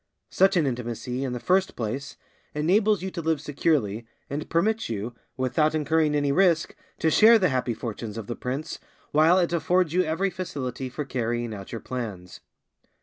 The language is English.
Such an intimacy, in the first place, enables you to live securely, and permits you, without incurring any risk, to share the happy fortunes of the prince, while it affords you every facility for carrying out your plans.